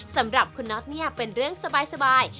สำหรับคุณน็อตเนี่ยเป็นเรื่องสบาย